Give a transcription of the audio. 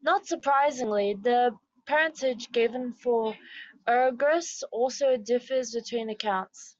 Not surprisingly, the parentage given for Oeagrus also differs between accounts.